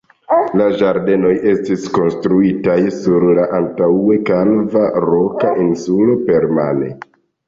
La ĝardenoj estis konstruitaj sur la antaŭe kalva roka insulo permane.